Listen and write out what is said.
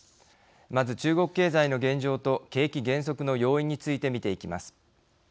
まず、中国経済の現状と景気減速の要因について見ていきます。